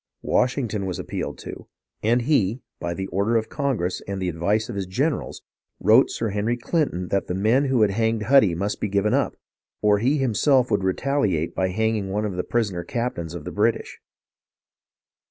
Washington was appealed to ; and he, by the order of Congress and the advice of his generals, wrote Sir Henry Clinton that the men who had hanged Huddy must be given up, or he himself would retaliate by hanging one of the prisoner captains of the British.